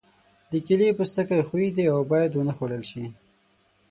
د کیلې پوستکی ښوی دی او باید ونه خوړل شي.